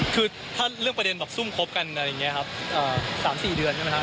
คือถ้าเรื่องประเด็นแบบซุ่มคบกันอะไรอย่างเงี้ยครับเอ่อสามสี่เดือนใช่ไหมคะ